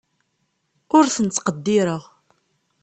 Ur ten-ttqeddireɣ.